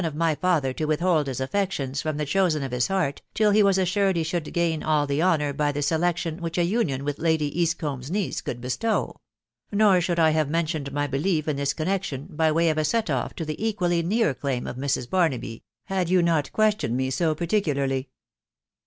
426 my father to withhold his affections from the chosen of his heart, till he was assured he should gain all the honour by the selection which a union with Lady Eastcombe's niece could bestow ;.•.. nor should I have mentioned my belief in this connection, by way of a set off to the equally near claim of Mrs. Barnaby, had you not questioned me so particularly